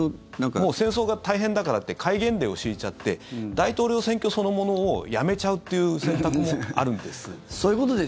もう戦争が大変だからって戒厳令を敷いちゃって大統領選挙そのものをやめちゃうっていう選択もあるんです。